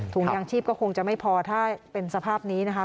ยางชีพก็คงจะไม่พอถ้าเป็นสภาพนี้นะคะ